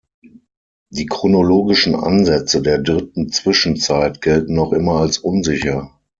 Die chronologischen Ansätze der dritten Zwischenzeit gelten noch immer als unsicher.